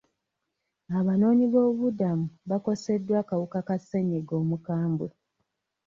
Abanoonyi b'obuddamu bakoseddwa akawuka ka ssenyiga omukambwe.